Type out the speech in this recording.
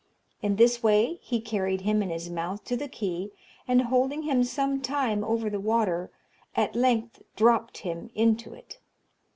In this way he carried him in his mouth to the quay, and holding him some time over the water, at length dropped him into it.